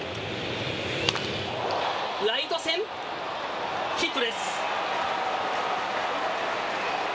ライト線、ヒットです。